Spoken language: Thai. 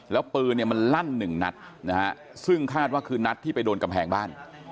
แล้วปืนเนี่ยมันลั่นหนึ่งนัดนะฮะซึ่งคาดว่าคือนัดที่ไปโดนกำแพงบ้าน